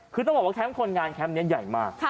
คือต้องบอกว่าแคมป์คนงานแคมป์นี้ใหญ่มาก